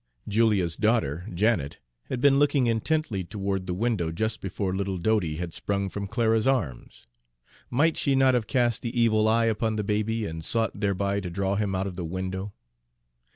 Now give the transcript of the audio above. Julia's daughter, Janet, had been looking intently toward the window just before little Dodie had sprung from Clara's arms. Might she not have cast the evil eye upon the baby, and sought thereby to draw him out of the window?